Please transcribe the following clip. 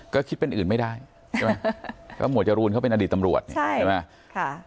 ก็คิดเป็นอื่นไม่ได้ใช่ไหมก็หมวดจรูนเขาเป็นอดีตตำรวจนี่ใช่ไหม